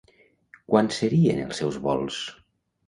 Quan serien els seus vols?